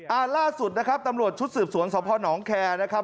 อ่าล่าสุดนะครับตำรวจชุดสืบสวนสพนแคร์นะครับ